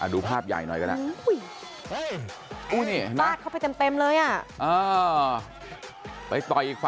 ดูภาพใหญ่หน่อยก็ได้